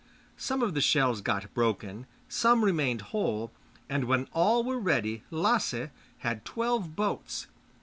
Some of the shells got broken, some remained whole, and when all were ready Lasse had twelve boats.